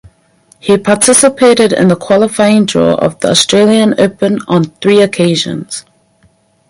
He participated in the qualifying draw of the Australian Open on three occasions.